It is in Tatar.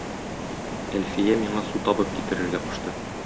Әлфия миңа су табып китерергә кушты.